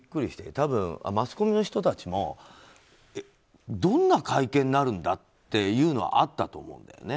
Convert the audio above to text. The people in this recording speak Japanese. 多分マスコミの人たちもどんな会見になるんだっていうのはあったと思うんだよね。